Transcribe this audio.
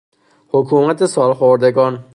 حکومت سالخوردگان